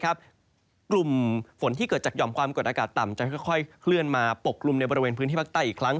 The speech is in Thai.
กลุ่มฝนที่เกิดจากหย่อมความกดอากาศต่ำจะค่อยเคลื่อนมาปกกลุ่มในบริเวณพื้นที่ภาคใต้อีกครั้ง